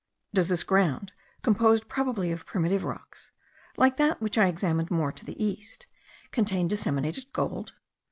Does this ground, composed probably of primitive rocks, like that which I examined more to the east, contain disseminated gold?